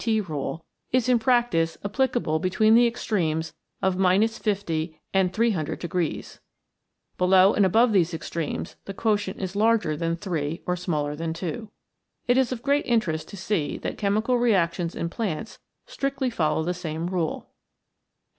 G.T. Rule, is in practice applicable between the ex tremes of 50 and 300 degrees. Below and above these extremes the quotient is larger than 3 or smaller than 2. It is of great interest to see that chemical reactions in plants strictly follow the same rule.